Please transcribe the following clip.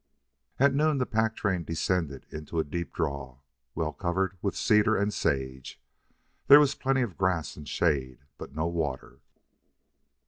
At noon the pack train descended into a deep draw, well covered with cedar and sage. There was plenty of grass and shade, but no water.